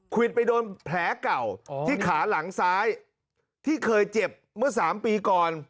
วิดไปโดนแผลเก่าที่ขาหลังซ้ายที่เคยเจ็บเมื่อ๓ปีก่อน